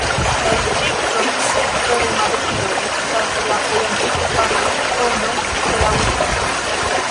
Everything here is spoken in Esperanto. La distrikto Centro de Madrido estas la plej antikva zono de la urbo.